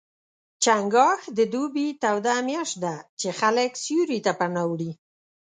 چنګاښ د دوبي توده میاشت ده، چې خلک سیوري ته پناه وړي.